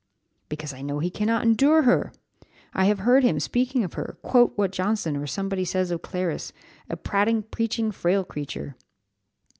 "Because I know he cannot endure her; I have heard him, speaking of her, quote what Johnson or somebody says of Clariss 'a prating, preaching, frail creature.